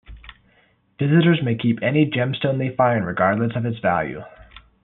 Visitors may keep any gemstone they find regardless of its value.